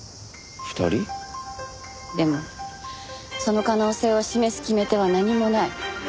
でもその可能性を示す決め手は何もない。